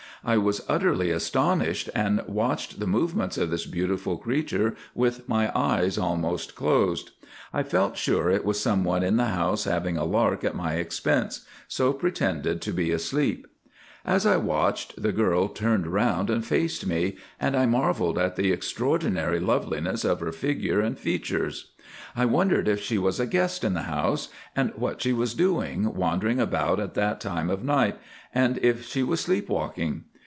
"I was utterly astonished, and watched the movements of this beautiful creature with my eyes almost closed. I felt sure it was someone in the house having a lark at my expense, so pretended to be asleep. As I watched, the girl turned round and faced me, and I marvelled at the extraordinary loveliness of her figure and features. I wondered if she was a guest in the house, and what she was doing wandering about at that time of night, and if she was sleep walking?